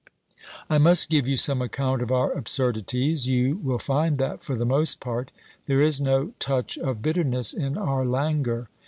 I must give you some account of our absurdities — you will find that, for the most part, there is no touch of bitterness in our languor.